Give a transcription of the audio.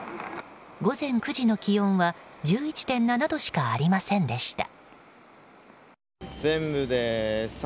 午前９時の気温は１１．７度しかありませんでした。